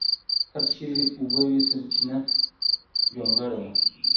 هر چېرې چې اوبه وې سپېرچنه جونګړه وه.